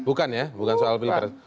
bukan ya bukan soal pilpres